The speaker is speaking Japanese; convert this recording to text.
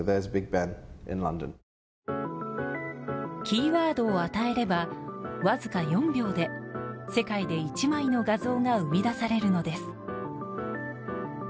キーワードを与えればわずか４秒で世界で一枚の画像が生み出されるのです。